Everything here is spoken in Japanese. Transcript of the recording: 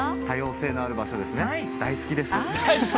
多様性のある場所大好きです。